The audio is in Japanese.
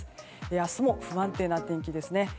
明日も不安定な天気ですね。